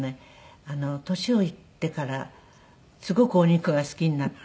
年をいってからすごくお肉が好きになって。